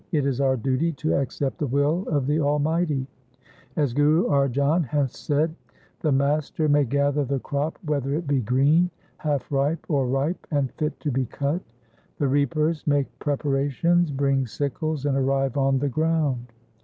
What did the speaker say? It is our duty to accept the will of the Almighty. As Guru Arjan hath said :— The Master may gather the crop whether it be green, half ripe, or ripe and fit to be cut. The reapers 1 make preparations, bring sickles, and arrive on the ground.